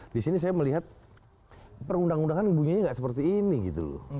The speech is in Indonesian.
disini saya melihat perundang undangan bunyinya gak seperti ini gitu loh